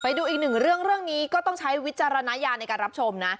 ไปดูอีกหนึ่งเรื่องเรื่องนี้ก็ต้องใช้วิจารณญาณในการรับชมนะ